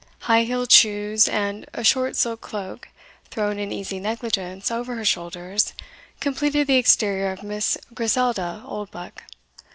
High heeled shoes, and a short silk cloak, thrown in easy negligence over her shoulders, completed the exterior of Miss Griselda Oldbuck.